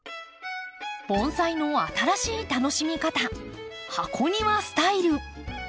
盆栽の新しい楽しみ方箱庭スタイル。